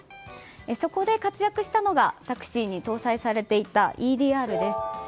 そこで活躍したのがタクシーに搭載されていたＥＤＲです。